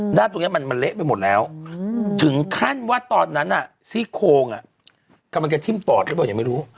หน้าตรงนี้มันเละไปหมดแล้วถึงขั้นว่าตอนนั้นซี่โครงกำลังจะทิ้มปอดหรือเปล่ายังไม่รู้